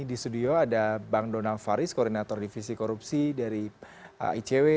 di studio ada bang donald faris koordinator divisi korupsi dari icw